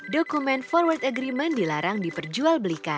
satu dokumen forward agreement dilarang diperjual belikan